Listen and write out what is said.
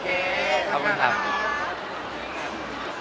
โอเคขอบคุณครับ